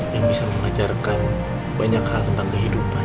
yang bisa mengejarkan banyak hal tentang kehidupan